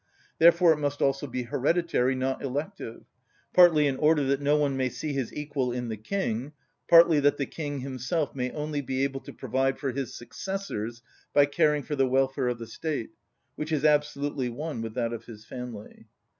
Therefore it must also be hereditary, not elective; partly in order that no one may see his equal in the king; partly that the king himself may only be able to provide for his successors by caring for the welfare of the State, which is absolutely one with that of his family.